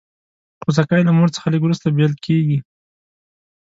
خوسکی له مور څخه لږ وروسته بېل کېږي.